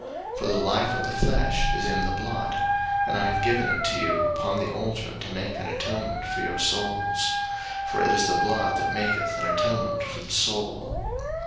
03:017:011 For the life of the flesh is in the blood: and I have given it to you upon the altar to make an atonement for your souls: for it is the blood that maketh an atonement for the soul.